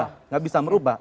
tidak bisa merubah